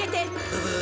「ブブー！」